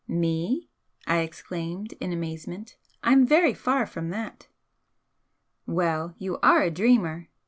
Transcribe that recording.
"Me!" I exclaimed, in amazement "I'm very far from that " "Well, you are a dreamer!"